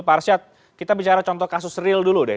parshat kita bicara contoh kasus real dulu deh